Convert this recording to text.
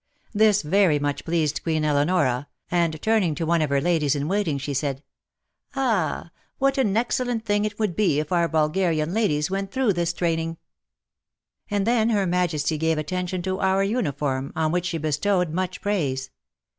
This very much pleased Queen Eleonora, and turning to one of her ladies in waiting she said :" Ah ! what an excellent thing it would be if our Bulgarian ladies went through this training!" And then Her Majesty gave attention to our uniform, on which she bestowed much praise.